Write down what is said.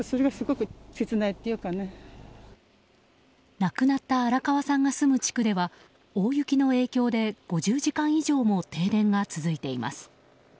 亡くなった荒川さんが住む地区では、大雪の影響で５０時間以上も停電が続いています。